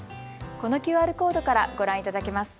このＱＲコードからご覧いただけます。